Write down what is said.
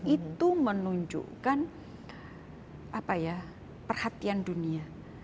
itu menunjukkan apa ya perhatian dunia